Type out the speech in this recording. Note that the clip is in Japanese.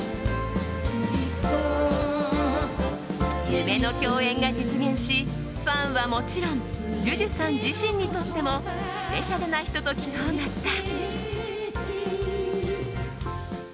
夢の共演が実現しファンはもちろんＪＵＪＵさん自身にとってもスペシャルなひと時となった。